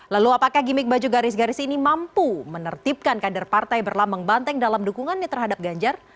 lalu apakah gimmick baju garis garis ini mampu menertibkan kader partai berlambang banteng dalam dukungannya terhadap ganjar